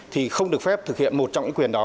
thì không được phép thực hiện một trong những quyền đó